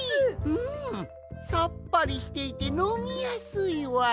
うんさっぱりしていてのみやすいわい。